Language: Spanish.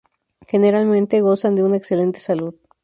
Generalmente gozan de una excelente salud.